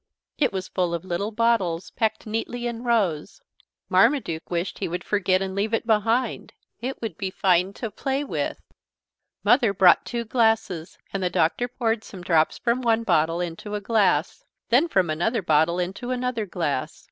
It was full of little bottles, packed neatly in rows. Marmaduke wished he would forget and leave it behind. It would be fine to play with. Mother brought two glasses and the Doctor poured some drops from one bottle into a glass, then from another bottle into another glass.